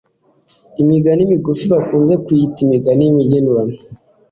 Imigani migufi bakunze kuyita Imigani y'imigenurano